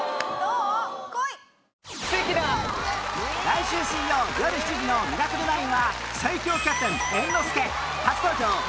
来週水曜よる７時の『ミラクル９』は最強キャプテン猿之助初登場 Ｈｅｙ！